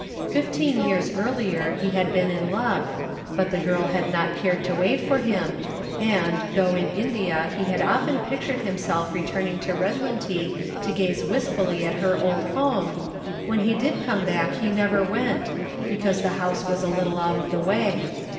Fifteen years earlier he had been in love, but the girl had not cared to wait for him, and, though in India he had often pictured himself returning to Redlintie to gaze wistfully at her old home, when he did come back he never went, because the house was a little out of the way.